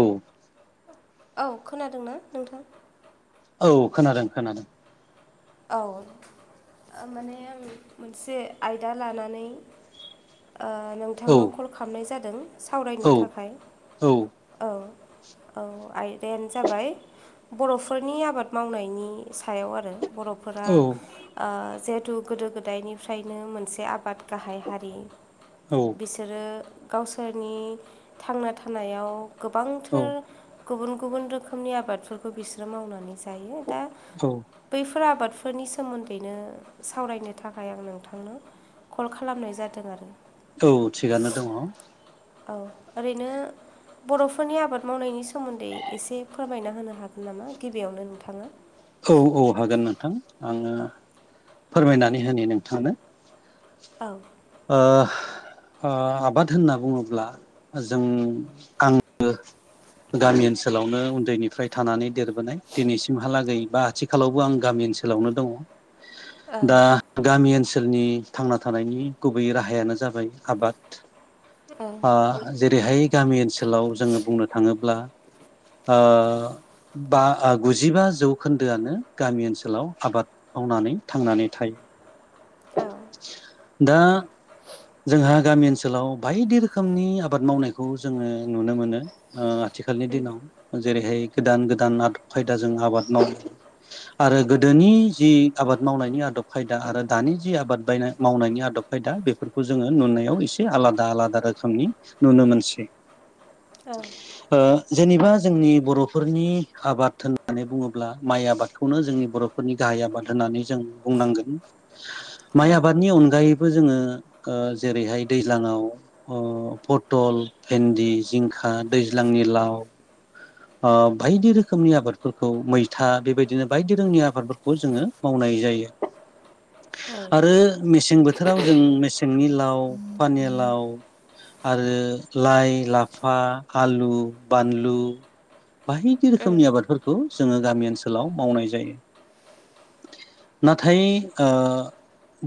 औ औ खोनादोंना नोंथां औ खोनादों खोनादों। औ माने अं मोनसे आयदा लानानै ओ औ नोंथांनाव कल खालामनाय जादों सावरायनो औ थाखाय औ औ। औ आयदायानो जाबाय बर'फोरनि आबाद मावनायनि सायाव आरो बर'फोरा ओ जिहेतु गोदो गोदायनिफ्रायनो मोनसे आबाद गाहाय हारि औ बिसोरो गावसोरनि थांना थानायाव गोबांथार औ गुबुन गुबुन रोखोमनि आबादफोरखौ बिसोरो मावनानै जायो दा औ। बैफोर आबादफोरनि सोमोन्दैनो सावरायनो थाखाय आं नोंथांनो। कल खालामनाय जादों आरो औ थिगानो दङो औ ओरैनो। बर'फोरनि आबाद मावनायनि सोमोन्दै एसे फोरमायना होनो हागोन नामा गिबियावनो नोंथाङा औ औ हागोन नोंथां आङो फोरमायनानै होननि नोंथांनो औ ओ। आ आबाद होनना बुंङोब्ला जों आंङो गामि ओनसोलावनो उन्दैनिफ्राय थानानै देरबोनाय दिनैसिमहालागै बा आथिखालावबो आं गामि ओनसोलावनो दंङ। औ दा गामि ओनसोल ओनसोलनि थांना थानायनि गुबै राहायानो जाबाय आबाद औ आ जेरैहाय गामि ओनसोलाव जोंङो बुंनो थांङोब्ला ओ बा गुजिबा जौ। खोन्दोआनो गामि ओनसोलाव आबाद मावनानै थांनानै थायो। औ दा जोंहा गामि ओनसोलाव बायदि रोखोमनि आबाद मावनायखौ जोंङो नुनो मोनो ओ आथिखालनि दिनाव जेरैहाय गोदान गोदान आदब खायदाजों आबाद मावो आरो गोदोनि जि आबाद मावनायनि आदब खायदा आरो। दानि जि आबाद बायनाय मावनायनि आदब खायदा बेफोरखौ जोंङो नुनायाव एसे आलादा आलादा रोखोमनि नुनो मोनसै औ ओ जेनेबा जोंनि बर'फोरनि आबाद होननानै बुंङोब्ला माइ आबादखौनो जोंनि बर'फोरनि गाहाय आबाद होननानै जों बुंनांगोन। औ औ माइ आबादनि अनगायै बो जोंङो ओ जेरैहाय दैज्लांङाव अ पथल भेन्दि जिंखा आ दैज्लांनि लाव आ बायदि रोखोमनि आबादफोरखौ मैथा बेबायदिनो बायदि रोंनि आबादफोरखौ जोंङो मावनाय जायो। [inaudible] आरो मेसें बोथोराव जों मेसेंनि लाव पानिया लाव आरो लाइ लाफा आलु बानलु बायदि रोखोमनि आबादफोरखौ जोंङो गामि ओनसोलाव मावनाय जायो। नाथाय आ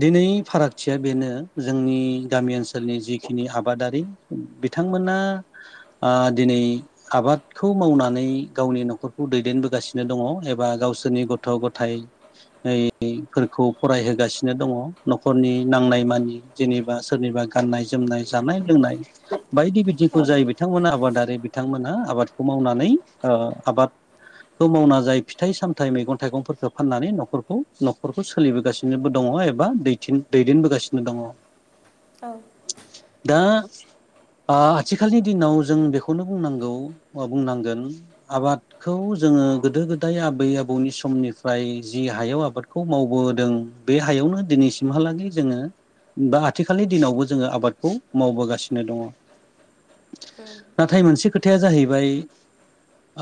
दिनै फारागथिया बेनो जोंनि गामि ओनसोलनि जिखिनि आबादारि बिथांमोना आ दिनै आबाद खौ मावनानै गावनि न'खरखौ दैदेनबोगासिनो दंङ एबा गावसोरनि गथ' ग'थाइ। नाय फोरखौ फरायहोगासिनो दंङ न'खरनि नांनाय मानि जेनेबा सोरनिबा गाननाय जोमनाय जानाय लोंनाय बायदि बिथिंखौ जाय बिथांमोना आबादारि बिथांमोना आबाद खौ मावनानै ओ आबाद खौ मावना जाय फिथाइ सामथाइ मैगं थाइगंफोरखौ फाननानै न'खरखौ न'खरखौ सोलिबोगासिनोबो दङ। दङ एबा दैथिं दैदेनबोगासिनो दङ। औ दा आ आथिखालनि दिनाव जों बेखौनो बुंनांगौ अ बुंनांगोन आबादखौ जोङो गोदो गोदाय आबै आबौनि समनिफ्राय जि हायाव आबादखौ मावबोदों बे हायावनो दिनैसिमहालागै जोङो बा आथिखालनि दिनावबो जोंङो आबादखौ मावबोगासिनो दङ। नाथाय मोनसे खोथाया जाहैबाय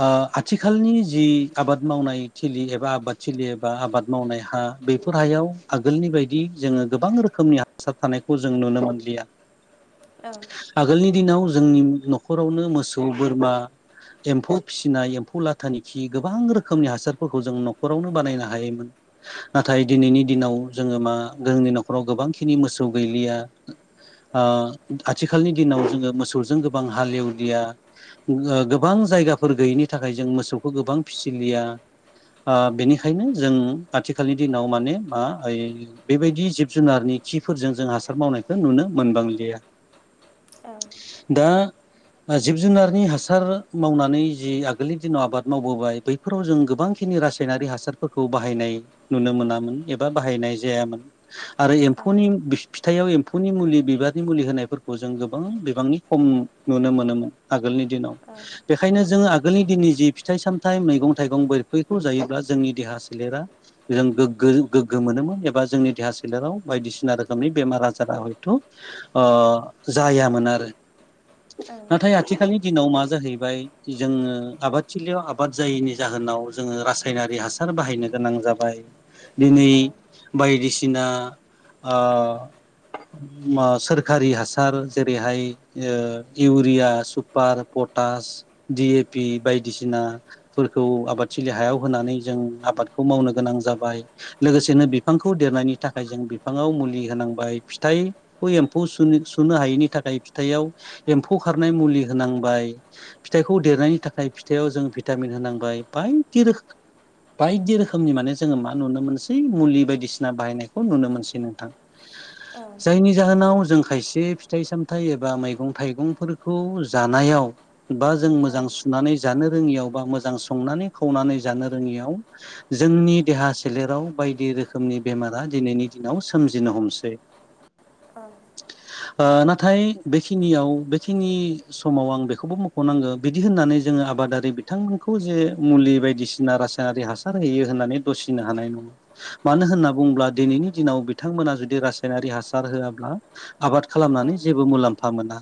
आ आथिखालनि जि आबाद मावनाय थिलि एबा आबादथिलि एबा आबाद मावनाय हा आ बेफोर हायाव आगोलनि बायदि जोङो गोबां रोखोमनि हासार थानायखौ जों नुनो मोनलिया आगोलनि दिनाव जोंनि न'खरावनो मोसौ बोरमा एम्फौ फिसिनाय एम्फौ लाथानि खि गोबां रोखोमनि हासारफोरखौ जों न'खरावनो बानायनो हायो योमोन नाथाय दिनैनि दिनाव जोङो मा जोंनि न'खराव गोबांखिनि मोसौ गैलिया आ आथिखालनि दिनाव जोङो मोसौजों गोबां हालेवलिया ओ गोबां जायगाफोर गैयिनि थाखाय जों मोसौखौ गोबां फिसिलिया आ बेनिखायनो जों आथिखालनि दिनाव माने मा एै बेबायदि जिब जुनारनि खिफोरजों जों हासार मावनायखौ नुनो मोनबांलिया। [inaudible] दा जिब जुनारनि हा सार मावनानै जि आगोलनि दिनाव आबाद मावबोबाय बैफोराव जों गोबांखिनि रासायनारि हासारफोरखौ खौ बाहायनाय नुनो मोनामोन एबा बाहायनाय जायामोन। आरो एम्फौनि फिथाइयाव एम्फौनि मुलि बिबारनि मुलि होनायफोरखौ जों गोबां बिबांनि खम नुनो मोनोमोन आगोलनि दिनाव बेखायनो जोङो आगोलनि दिननि जि फिथाइ सामथायाइ मैगं थाइगं बोरफैखौ जायोब्ला जोंनि देहा सोलेरा जों गोग्गो गोग्गो मोनो मोन। [unintelligible] एबा जोंनि देहा सोलेराव बायदिसिना रोखोमनि बेमार आजारा हयथ' ओ जाया मोन आरो नाथाय आथिखा जाहैबाय जोङो आबादथिलियाव आबाद जायैनि जाहोनाव जोङो रासायनारि हासार बाहायनो गोनां जाबाय दिनै बायदिसिना ओ [unintelligible] सोरखारि हासार जेरैहाय urea super potash D A P बायदिसिना फोरखौ आबादथिलि हायाव होनानै जों आब आबादखौ मावनो गोनां जाबाय लोगोसेनो बिफांखौ देरनायनि थाखाय जों बिफाङाव मुलि होनांबाय। फिथाइ खौ एम्फौ सुन सुनो हायिनि थाखाय फिथाइयाव एम्फौ खारनाय मुलि होनांबाय। फिथाइखौ देरनायनि थाखाय फिथाइआव जों भिटामिन होनांबाय बायदि रोखो बायदि रोखोमनि माने जोङो मा नुनो मोनसै मुलि बायदिसिना बाहायनायखौ नुनो मोनसै नोंथां। जायनि जाहोनाव जों खायसे फिथाइ सामथाइ एबा मैगं थाइगंफोरखौ जानायाव बा जों मोजां सुनानै जानो रोङियाव बा मोजां संनानै खावनानै जानो रोङियाव जोंनि देहा सोलेराव बायदि रोखोमनि बेमारा दिनैनि दिनाव सोमजिनो हमसै। ओ नाथाय बेखिनियाव बेखिनि समाव आं बे खौबो मख'नांगौ बिदि होननानै जोङो आबादारि बिथांमोनखौ जे मुलि बायदिसिना रासायनारि हासार होयो होननानै दुसिनो हानाय नङा मानो होनना बुङोब्ला दिनैनि दिनाव बिथांमोना जुदि रासायनारि हा हासार होआब्ला आबाद खालामनानै जेबो मुलाम्फा मोना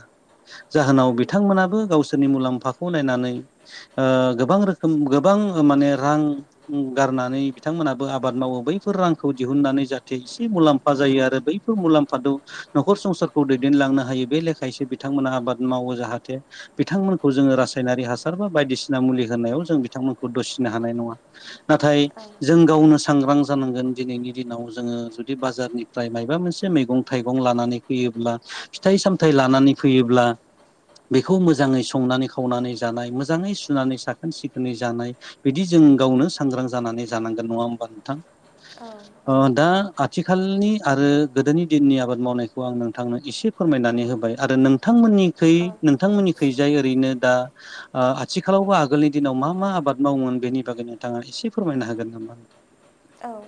जाहोनाव बिथांमोनाबो गावसोरनि मुलाम्फाखौ नायनानै ओ गोबां रोखोम गोबां माने रां गा रनानै बिथांमोनाबो आबाद मावो बैफोर रांखौ दिहुननानै जाहाथे इसे मुलाम्फा जायो आरो बैफोर मुलाम फादौ नखर संसारखौ दैदेनलांनो हायो बे लेखायैसो बिथांमोना आबाद मावो जाहाथे बिथांमोनखौ जोङो रासायनारि हासार बा बायदिसिना मुलि होनायाव जों बिथांमोनखौ दुसिनो हानाय नङा। नाथाय जों गावनो सांग्रां जानांगोन दिनैनि दिनाव जोङो जुदि बाजारनिफ्राय मायबा मोनसे मैगं थाइगं लानानै फैयोब्ला फिथाइ सामथायाइ लानानै फैयोब्ला [inaudible] बेखौ मोजाङै संनानै खावनानै जानाय मोजाङै सुनानै साखोन-सिखोनै जानाय बिदि जों गाव गावनो सांग्रां जानानै जानांगोन नङा होमबा नोंथां दा ओ आथि खालनि आरो गोदोनि दिननि आबाद मावनायखौ आं नोंथांनो एसे फोरमायनानै होबाय आरो नोंथा थांमोननिखै नोंथांमोननि खैजाय ओरैनो दा ओ आथिखालावबो आगोलनि दिनाव मा मा आबाद मावोमोन बेनि बागै नोंथाङा एसे फोरमायनो हागोन नामा? औ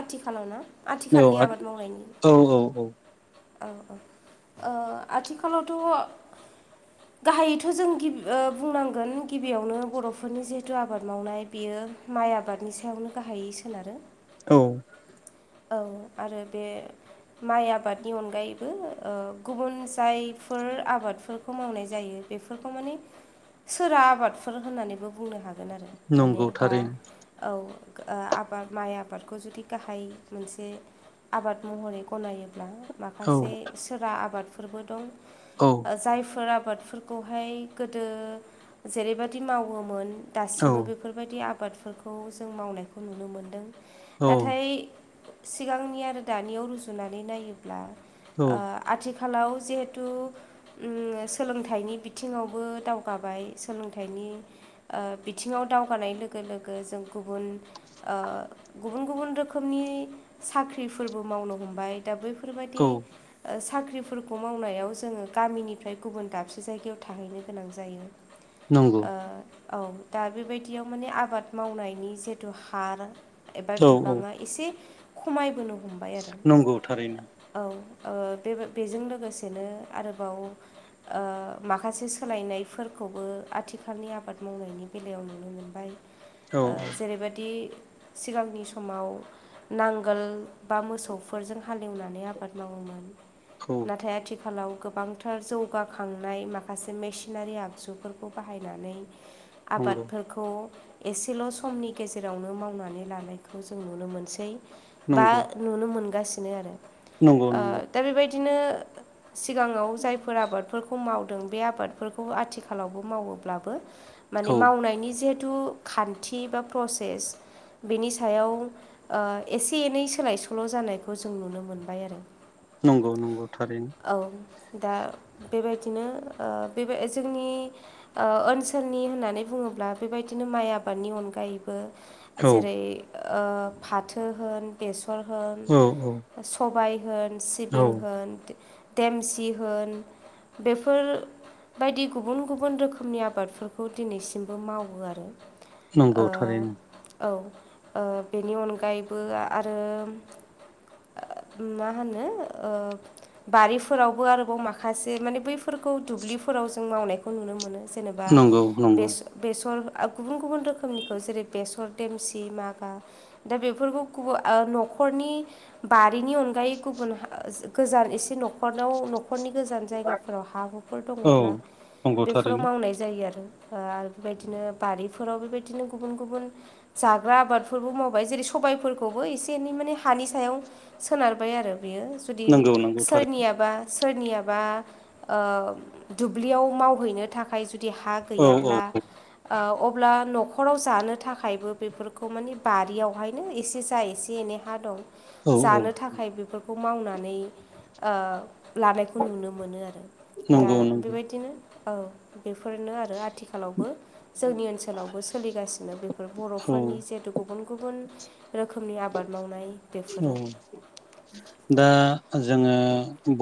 आथिखालाव ना? औ आथिखालनि आथ आबाद मावनायनि औ औ औ औ औ ओ आथिखालावथ' गाहायैथ' जों गिब बुंनांगोन गिबियावनो बर'फोरनि जिहेथु आबाद मावनाय बेयो यो माइ आबादनि सायावनो गाहायै सोनारो। औ औ आरो बे माइ आबादनि अनगायैबो ओ गुबुन जायफोर आबादफोरखौ मावनाय जायो बेफोरखौ माने सोरा आबादफोर होननानैबो बुंनो हा गोन आरो माने नंगौ बा थारैनो औ आबाद माइ आबादखौ जुदि गाहाय मोनसे आबाद महरै गनायोब्ला औ माखासे सोरा आबादफोरबो दं। औ ओ जायफोर आबादफोरखौहाय गोदो जेरैबायदि मावोमोन औ दासिमबो बेफोरबायदि आ बादफोरखौ जों मावनायखौ नुनो मोनदों औ नाथाय सिगांनि आरो दानियाव रुजुनानै नायोब्ला ओ औ आथि खालाव जिहेथु ओ सोलोंथाइनि बिथिङावबो दावगाबाय सोलोंथाइ नि ओ बिथिङाव दावगानाय लोगो लोगो जों गुबुन ओ गुबुन गु बुन रोखोमनि साख्रिफोरबो मावनो हमबाय दा बैफोरबायादि औ साख ख्रिफोरखौ मावनायाव जोङो गामिनिफ्राय गुबुन दाबसे जायगायाव थाहैनो गोनां जायो। नंगौ ओ औ। दा बेबायदियाव माने आबाद मावनायनि जिथु हार एबा औ औ बिबाङा एसे खमायबोनो हमबाय आरो नंगौ थारैनो औ। ओ बेबा‌ बे बेजों लोगोसेनो आरोबाव ओ माखासे सोलायनायफोर खौबो आथिखालनि आबाद मावनायनि बेलायाव नुनो मोनबाय। औ ओ जेरैबादि सिगांनि समाव नांगोल बा मोसौफोरजों हालेवनानै आबाद मावोमोन नाथाय आथि खालाव गोबांथार जौगाखांनाय माखासे मेसिनारि आगजुफोरखौ बाहायनानै औ नंगौ आबादफोरखौ एसेल' समनि गेजेरावनो मावनानै लानायखौ जों नुनो मोनसै। बा नंगौ नुनो मोनगासिनो आरो नंगौ ओ नंगौ दा बेबायदिनो सिगाङाव जायफोर आबादफोरखौ मावदों बे आबादफोरखौ आथिखालावबो मावोब्लाबो माने औ मावनायनि जे थु खान्थि बा प्रसेस बेनि सायाव ओ एसे एनै सोलाय सोल' जानायखौ जों नुनो मोनबाय आरो। नंगौ नंगौ थारैनो। औ दा बेबायदिनो ओ बेबाय जोंनि ओनसोलनि ओ होननानै बुङो ब्ला बेबायदिनो माइ आबादनि अनगायै बो औ जेरै ओ फाथो होन बे सर होन औ औ सबाय होन औ सिबिं होन देमसि होन बेफोर बायदि गुबुन गुबुन रोखोमनि आबादफोरखौ दिनैसिमबो मावो आरो। नंगौ थारैनो। ओ बेनि अनगायैबो आरो। मा होनो ओ बारिफोरावबो आरोबाव माखासे माने बै। फोरफोरखौ दुब्लिफोराव जों मावनायखौ नुनो मोनो जेनेबा नंगौ नंगौ बेस बेसर। गुबुन गुबुन रोखोमनिखौ जेरै बेसर देमसि मागा दा बेफोरखौ। बो आ न'खरनि बारिनि अनगायै गुबुन गोजान एसे न। खरआव न'खरनि गोजान जायगाफोराव हा हुफोर औ दङब्ला नंगौ बेफोराव थारैनो मावनाय जायो आरो। आरो बेबायदिनो बारिफोराव बेबायदिनो गुबुन गुबुन जाग्रा आबादफोरबो मावबाय जेरै सबायफोर। खौबो एसे- एनै माने हानि सायाव सोनारबाय आरो। बेयो जुदि नंगौ नंगौ थारै सोरनियाबा। सोरनियाबा ओ दुब्लियाव मावहैनो थाखाय जु। दि हा औ औ गैयाब्ला ओ अब्ला ओ न'। खराव जानो थाखायबो बेफोरखौ मानि बारियावहायनो एसे जा एसे - एनै हा दं। औ औ जानो थाखाय बेफोरखौ मावनानै ओ। लानायखौ नुनो मोनो आरो दा नंगौ नंगौ बेबायदिनो। औ बेफोरनो आरो आथिखालावबो जोंनि ओनसोलावबो सोलिगासिनो बेफोर। औ बर'फोरनि जिहेतु गुबुन गुबुन रोखोमनि आबाद मावनाय। औ बेफोरो दा जोङो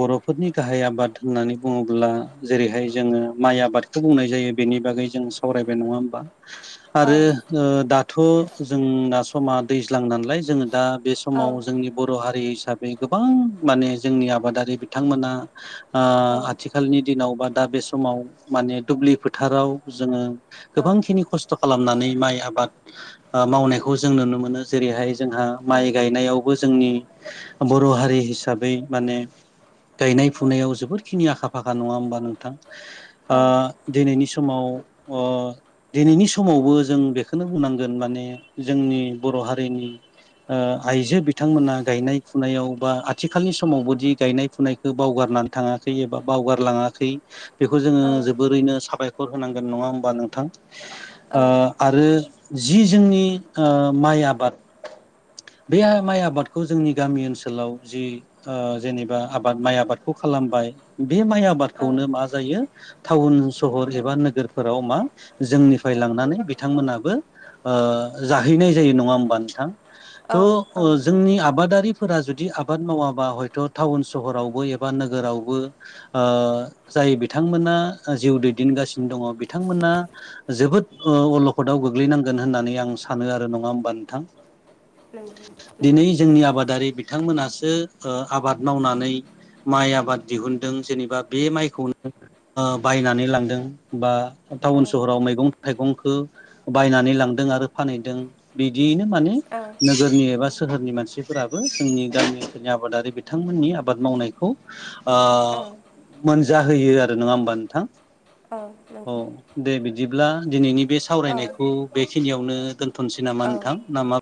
बर'। फोरनि गाहाय आबाद होननानै बुङोब्ला जेरैहाय जोङो माइ आबादखौ बुंनाय जायो बेनि बागै जों। सावरायबाय नङा होमबा? औ आरो ओ दाथ' जों दा समा दैज्लां नालाय जोङो दा बे औ समाव जोंनि बर' हारि हिसाबै गोबां माने जोंनि आबादारि बिथांमोना ओ औ आथिखालनि दिनाव बा दा बे समाव माने दुब्लि फोथाराव जोङो औ गोबांखिनि खस्थ' खालामनानै माइ आबाद ओ मावनायखौ जों नुनो मोनो जेरैहाय जोंहा माइ औ गायनायावबो जोंनि बर' हारि हिसाबै माने गायनाय फुनायाव जोबोरखिनि आखा- फाखा नङा होमबा नोंथां औ ओ दिनैनि समाव ओ दिनैनि समावबो जों बेखोनो बुंनांगोन माने जोंनि बर' हारिनि ओ आइजो बिथांमोना गायनाय - फुनायाव बा आथिखालनि समावबोदि गायनाय फुनायखै बावगारनानै थाङा। थै एबा बावगारलाङाखै बेखौ जोङो जोबोरैनो साबायखर होनांगोन नङा होमबा नोंथां ओ आरो जि जोंनि ओ माइ आबाद बे आ माइ आबादखौ जोंनि गामि ओनसोलाव जि ओ जेनेबा आबाद माइ आबादखौ खालामबाय बे माइ औ आबादखौनो मा जायो टाउन सहर एबा नोगोरफोराव मा जोंनिफ्राय लांनानै बिथांमोनाबो ओ ओ जाहैनाय जायो नङा होमबा नोंथां औ थ' औ ओ जोंनि आबादारिफोरा जुदि आबाद मावाबा हयथ' टाउन - सहरावबो एबा नोगोरावबो ओ जाय बिथांमोना ओ जिउ दैदेनगासिनो दङ बिथांमोना जोबोद ओ अलखदाव गोग्लैनांगोन होननानै नै आं सानो आरो नङा होमबा नोंथां नंगौ नंगौ दिनै नंगौ जोंनि आबादारि बिथांमोना थो ओ आबाद मावनानै माइ आबाद दिहुनदों जेनेबा बे माइखौनो ओ बायनानै लांदों बा औ टाउन सहराव मैगं थाइगंखो बायनानै लांदों आरो फानहैदों बिदियैनो माने औ नोगोरनि एबा सोहोरनि मानसिफोराबो जोंनि गामि ओनसोलनि आबादारि बिथांमोननि आबाद मावनायखौ ओ औ मोनजाहोयो आरो नङा होमबा नोंथां। औ औ नंगौ दे बिदिब्ला दिनैनि बे सावरायनायखौ बेखिनियावनो दोनथ'नोसै नामा औ नोंथां नामा